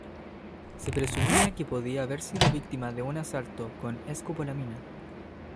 Se presumía que podía haber sido víctima de un asalto con escopolamina.